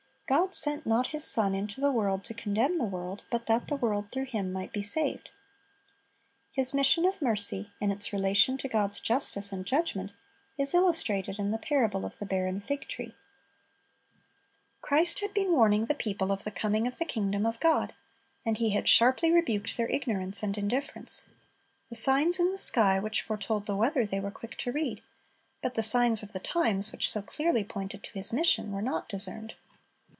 "God sent not His Son into the world to condemn the world; but that the world through Him might be saved." ^ His mission of mercy, in its relation to God's justice and judgment, is illustrated in the parable of the barren fig tree. Christ had been warning the people of the coming of the kingdom of God, and He had sharply rebuked their ignorance and indifference. The signs in the sky, which foretold the weather, they were quick to read; but the signs of the times, which so clearly pointed to His mission, were not discerned.